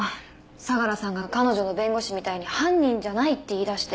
相良さんが彼女の弁護士みたいに「犯人じゃない」って言い出して。